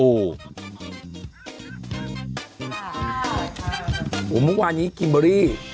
โอ้โหมุ่งวานนี้กิมเบอร์รี่